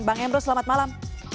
bang emruz selamat malam